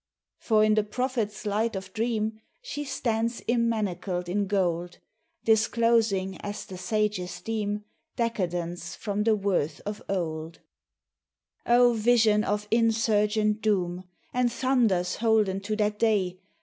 For in the prophet's light of dream, She stands immanacled in gold, Disclosing, as the sages deem, Decadence from the worth of old. 21 MEMORIAL DAY. O vision of insurgent doom, And thunders holden to that day!